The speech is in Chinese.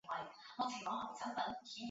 亦曾是葡萄牙国家队成员。